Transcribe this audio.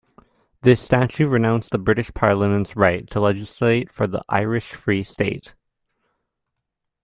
This Statute renounced the British Parliament's right to legislate for the Irish Free State.